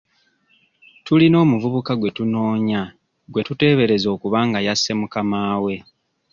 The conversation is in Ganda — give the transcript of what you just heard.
Tulina omuvubuka gwe tunoonya gwe tuteebereza okuba nga yasse mukamaawe.